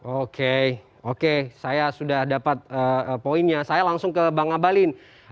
oke oke saya sudah dapat poinnya saya langsung ke bang abalin